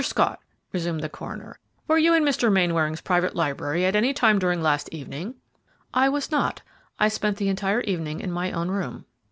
Scott," resumed the coroner, "were you in Mr. Mainwaring's private library at any time during last evening?" "I was not. I spent the entire evening in my own room."